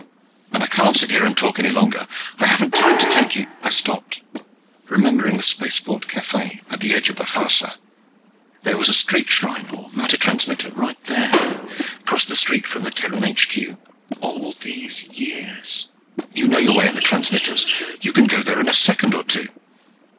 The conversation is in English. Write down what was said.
"And I can't sit here and talk any longer. I haven't time to take you " I stopped, remembering the spaceport cafe at the edge of the Kharsa. There was a street shrine, or matter transmitter, right there, across the street from the Terran HQ. All these years.... "You know your way in the transmitters. You can go there in a second or two."